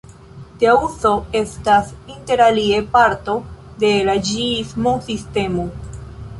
Tia uzo estas interalie parto de la ĝiismo-sistemo.